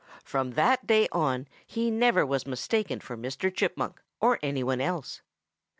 From that day on he never was mistaken for Mr. Chipmunk or any one else.